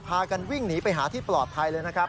พากันวิ่งหนีไปหาที่ปลอดภัยเลยนะครับ